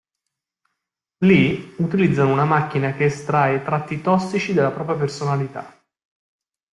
Lì utilizzano una macchina che estrae i tratti tossici della propria personalità.